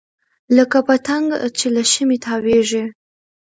لکه پتنګ چې له شمعې تاویږي.